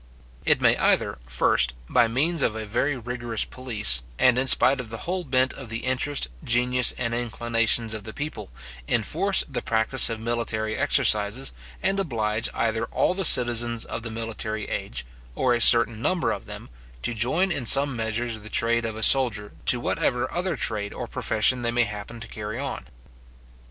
It may either, first, by means of a very rigorous police, and in spite of the whole bent of the interest, genius, and inclinations of the people, enforce the practice of military exercises, and oblige either all the citizens of the military age, or a certain number of them, to join in some measure the trade of a soldier to whatever other trade or profession they may happen to carry on.